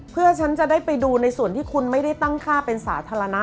เพื่อฉันจะได้ไปดูในส่วนที่คุณไม่ได้ตั้งค่าเป็นสาธารณะ